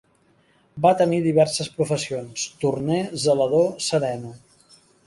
Va tenir diverses professions: torner, zelador, sereno.